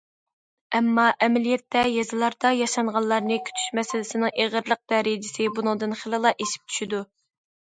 ئەمما ئەمەلىيەتتە يېزىلاردا ياشانغانلارنى كۈتۈش مەسىلىسىنىڭ ئېغىرلىق دەرىجىسى بۇنىڭدىن خېلىلا ئېشىپ چۈشىدۇ.